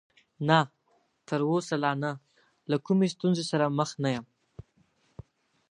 نه، تر اوسه لا نه، له کومې ستونزې سره مخ نه یم.